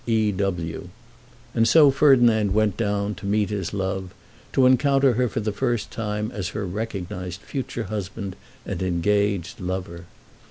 E. W." And so Ferdinand went down, to meet his love, to encounter her for the first time as her recognised future husband and engaged lover.